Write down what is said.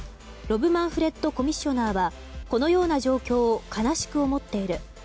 ロブ・マンフレッドコミッショナーはこのような状況を悲しく思っている。